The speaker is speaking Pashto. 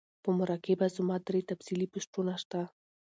پۀ مراقبه زما درې تفصيلی پوسټونه شته